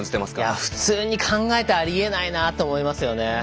普通に考えたらあり得ないなと思いますね。